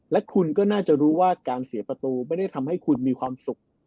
และคุณก็น่าจะรู้ว่าการเสียประตูไม่ได้ทำให้คุณมีความสุข